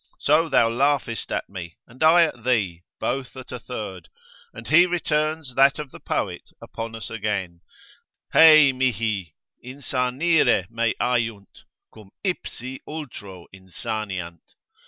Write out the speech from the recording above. So thou laughest at me, and I at thee, both at a third; and he returns that of the poet upon us again, Hei mihi, insanire me aiunt, quum ipsi ultro insaniant.